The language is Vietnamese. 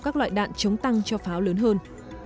các loại đạn chống tăng cho pháo lớn hơn